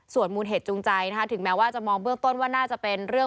ส่วนมูลเหตุจูงใจถึงแม้ว่าจะมองเบื้องต้นว่าน่าจะเป็นเรื่อง